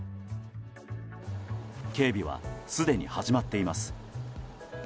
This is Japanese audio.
警備は、すでに始まっています。